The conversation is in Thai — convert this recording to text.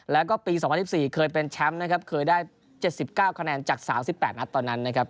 แล้วก็ปี๒๐๑๔เคยเป็นแชมป์นะครับเคยได้๗๙คะแนนจาก๓๘นัดตอนนั้นนะครับ